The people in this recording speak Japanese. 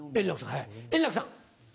早い円楽さん！